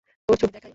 ওর ছবি দেখাই?